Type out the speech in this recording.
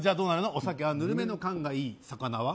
「お酒はぬるめの燗がいい」「肴は」